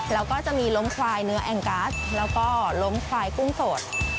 แล้วก็จะมีล้มควายเนื้อแองกัสแล้วก็ล้มควายกุ้งสด